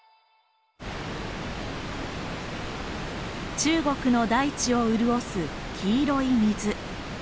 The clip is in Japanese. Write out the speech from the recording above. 中国の大地を潤す黄色い水。